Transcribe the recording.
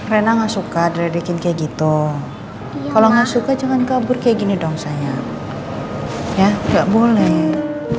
rena enggak suka diredekin kayak gitu kalau nggak suka jangan kabur kayak gini dong saya ya enggak boleh